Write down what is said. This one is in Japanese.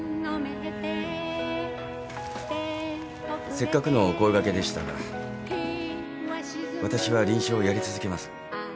せっかくのお声掛けでしたが私は臨床をやり続けます。